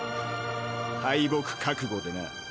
敗北覚悟でな。